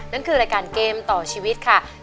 นั่นคือรายการเกมต่อชีวิตค่ะ